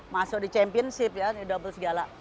masuk di championship ya di double segala